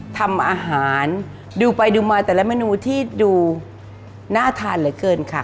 ทำอาหารดูไปดูมาแต่ละเมนูที่ดูน่าทานเหลือเกินค่ะ